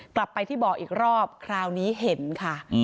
กลับไปที่บ่ออีกรอบคราวนี้เห็นค่ะ